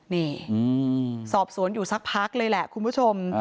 นี่สอบสวนอยู่สักพักเลยแหละคุณผู้ชม